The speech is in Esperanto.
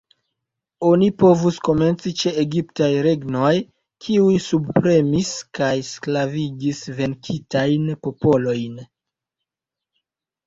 Oni povus komenci ĉe egiptaj regnoj, kiuj subpremis kaj sklavigis venkitajn popolojn.